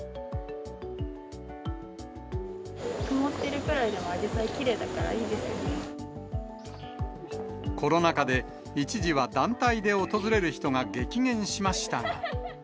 曇ってるくらいでも、コロナ禍で、一時は団体で訪れる人が激減しましたが。